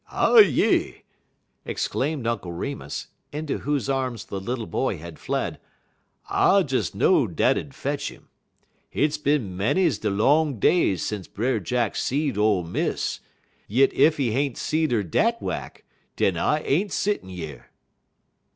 "Ah yi!" exclaimed Uncle Remus, into whose arms the little boy had fled; "I des know'd dat 'ud fetch 'im. Hit's bin manys de long days sence Brer Jack seed Ole Miss, yit ef he ain't seed 'er dat whack, den I ain't settin' yer."